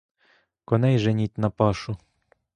Коней женіть на пашу!